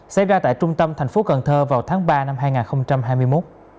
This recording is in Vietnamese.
xảy ra tại trung tâm thành phố cần thơ vào tháng ba năm hai nghìn hai mươi một